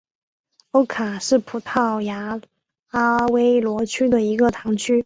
欧卡是葡萄牙阿威罗区的一个堂区。